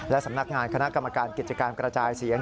และสำนักงานคณะกรรมการกิจการกระจายเสียง